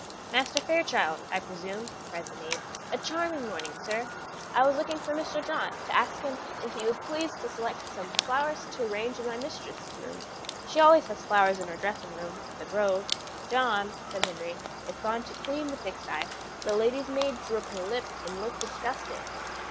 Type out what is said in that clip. "Master Fairchild, I presume," cried the maid. "A charming morning, sir. I was looking for Mr. John, to ask him if he would please to select some flowers to arrange in my mistress's room: she always has flowers in her dressing room at The Grove." "John," said Henry, "is gone to clean the pig sty." The lady's maid drew up her lip, and looked disgusted.